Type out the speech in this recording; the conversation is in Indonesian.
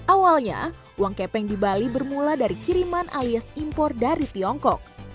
awalnya uang kepeng di bali bermula dari kiriman alias impor dari tiongkok